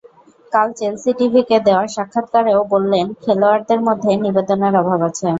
কাল চেলসি টিভিকে দেওয়া সাক্ষাৎকারেও বললেন, খেলোয়াড়দের মধ্যে নিবেদনের অভাব আছে।